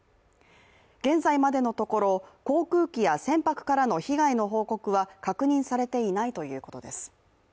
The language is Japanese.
現在までのところ、航空機や船舶からの被害の報告は確認されていないということです。